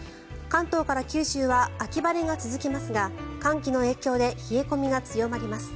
関東から九州は秋晴れが続きますが寒気の影響で冷え込みが強まります。